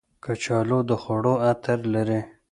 کچالو د خوړو عطر لري